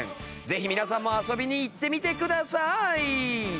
ぜひ皆さんも遊びに行ってみてください！